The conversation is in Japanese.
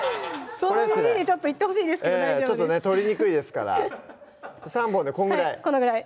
その指でいってほしいですけどねちょっとね取りにくいですから３本でこのぐらい？